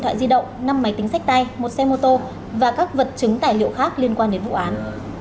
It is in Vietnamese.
hai thoại di động năm máy tính sách tay một xe mô tô và các vật chứng tài liệu khác liên quan đến vụ án